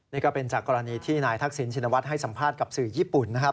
นี่ก็เป็นจากกรณีที่นายทักษิณชินวัฒน์ให้สัมภาษณ์กับสื่อญี่ปุ่นนะครับ